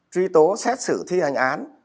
truy tố xét xử thi hành án